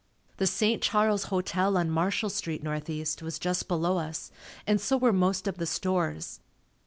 The St. Charles hotel on Marshall Street, northeast, was just below us and so were most of the stores.